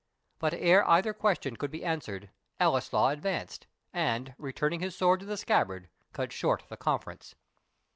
But ere either question could be answered, Ellieslaw advanced, and, returning his sword to the scabbard, cut short the conference.